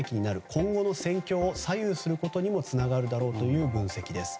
今後の戦況を左右することになるだろうという分析です。